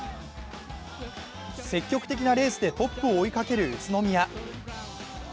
積極的なレースでトップを追いかける宇都宮。